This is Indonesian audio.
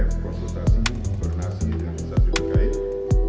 f konsultasi gubernasi dan saswi berkait